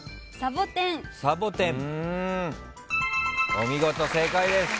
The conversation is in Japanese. お見事正解です。